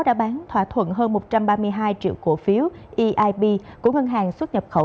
đã bán thỏa thuận hơn một trăm ba mươi hai triệu cổ phiếu eib của ngân hàng xuất nhập khẩu